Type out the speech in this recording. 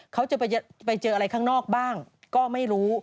เขาจะไปเจออะไรข้างนอกบ้างก็ไม่รู้